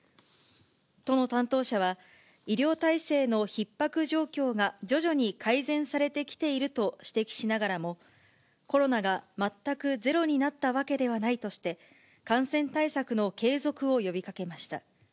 都の担当者は、医療体制のひっ迫状況が徐々に改善されてきていると指摘しながらも、コロナが全くゼロになったわけではないとして、感染対策の継続を呼びかけました。